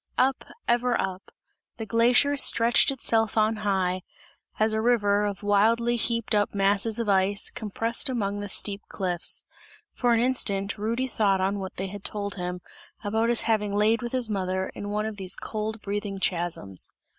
Up, ever up; the glacier stretched itself on high as a river, of wildly heaped up masses of ice, compressed among the steep cliffs. For an instant Rudy thought on what they had told him, about his having laid with his mother, in one of these cold breathing chasms.